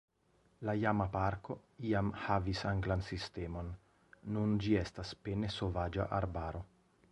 La iama parko iam havis anglan sistemon, nun ĝi estas pene sovaĝa arbaro.